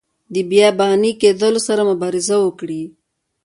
د بیاباني کیدلو سره مبارزه وکړي.